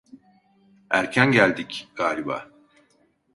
Erken geldik galiba!